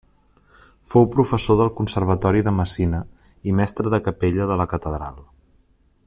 Fou professor del Conservatori de Messina i mestre de capella de la catedral.